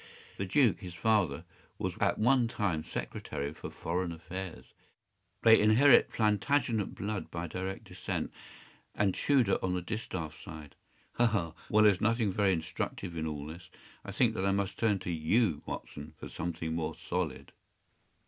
The Duke, his father, was at one time Secretary for Foreign Affairs. They inherit Plantagenet blood by direct descent, and Tudor on the distaff side. Ha! Well, there is nothing very instructive in all this. I think that I must turn to you, Watson, for something more solid.